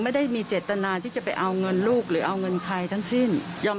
ไม่ได้มีเจตนาที่จะไปเอาเงินลูกหรือเอาเงินใครทั้งสิ้น